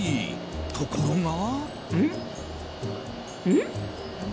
ところが。